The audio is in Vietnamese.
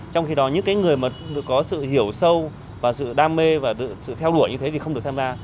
trong khi đó những người mà có sự hiểu sâu và sự đam mê và sự theo đuổi như thế thì không được tham gia